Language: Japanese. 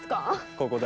ここだ。